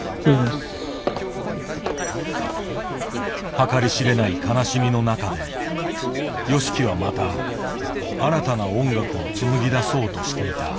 計り知れない悲しみの中でＹＯＳＨＩＫＩはまた新たな音楽を紡ぎ出そうとしていた。